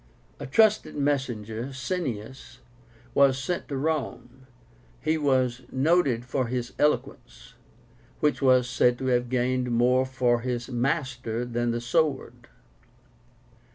A trusted messenger, CINEAS, was sent to Rome. He was noted for his eloquence, which was said to have gained more for his master than the sword.